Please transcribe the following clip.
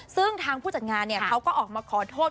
ซึ่งทางผู้จัดงานเขาก็ออกมาขอโทษ